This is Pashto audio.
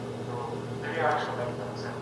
ایا په څېړنه کې د حقایقو منل اړین دي؟